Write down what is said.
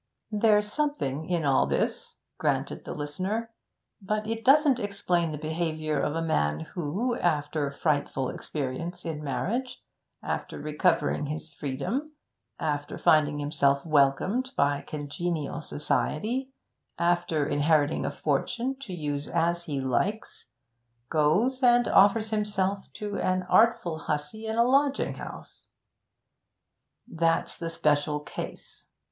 'There's something in all this,' granted the listener, 'but it doesn't explain the behaviour of a man who, after frightful experience in marriage after recovering his freedom after finding himself welcomed by congenial society after inheriting a fortune to use as he likes goes and offers himself to an artful hussy in a lodging house.' 'That's the special case.